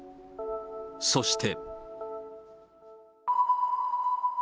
そして。